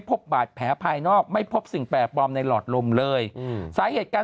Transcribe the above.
พบบาดแผลภายนอกไม่พบสิ่งแปลกปลอมในหลอดลมเลยสาเหตุการ